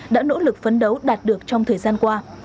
đã nỗ lực phấn đấu đạt được trong thời gian qua